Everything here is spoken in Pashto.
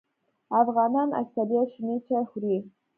افغانان اکثریت شنې چای خوري